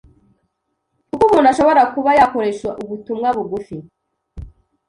kuko umuntu ashobora kuba yakoresha ‘ubutumwa bugufi